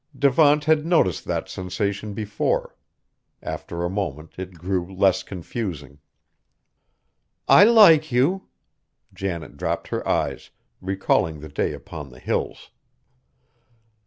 Devant had noticed that sensation before; after a moment it grew less confusing. "I like you." Janet dropped her eyes, recalling the day upon the Hills.